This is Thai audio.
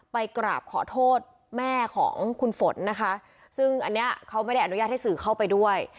ไปกราบขอโทษแม่ของคุณฝนนะคะซึ่งอันนี้เขาไม่ได้อนุญาตให้สื่อเข้าไปด้วย